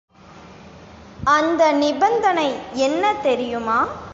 அந்த நிபந்தனை என்ன தெரியுமா?